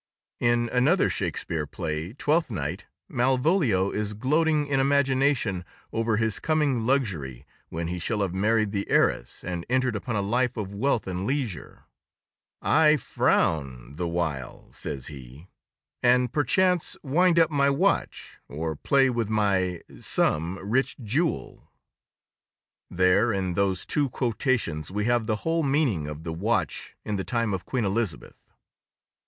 In another Shakespeare play, Twelfth Night, Malvolio is gloating in imagination over his coming luxury when he shall have married the heiress and entered upon a life of wealth and leisure. "I frown the while," says he; "and perchance wind up my watch, or play with my—some rich jewel." There, in those two quotations, we have the whole meaning of the watch in the time of Queen Elizabeth.